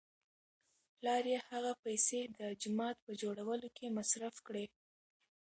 پلار یې هغه پیسې د جومات په جوړولو کې مصرف کړې.